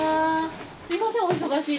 すいませんお忙しいところ。